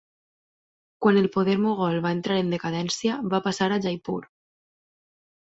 Quan el poder mogol va entrar en decadència va passar a Jaipur.